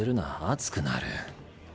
暑くなる。